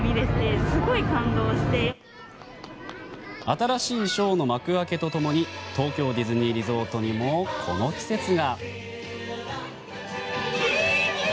新しいショーの幕開けと共に東京ディズニーリゾートにもこの季節が。